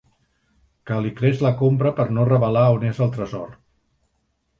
Calicles la compra per no revelar on és el tresor.